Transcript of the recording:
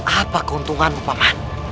apa keuntunganmu paman